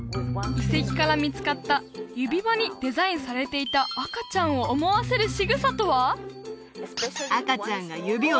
遺跡から見つかった指輪にデザインされていた赤ちゃんを思わせるしぐさとは？